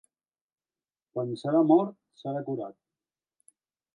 Quan serà mort, serà curat.